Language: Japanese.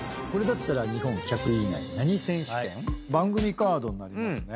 番組カードになりますね。